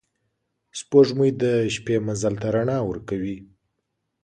سپوږمۍ د شپې مزل ته رڼا ورکوي